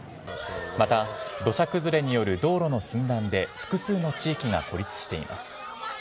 また土砂崩れによる道路の寸断で、複数の地域が孤立しています。